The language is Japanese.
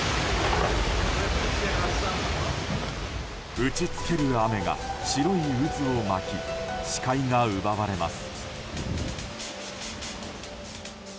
打ち付ける雨が白い渦を巻き視界が奪われます。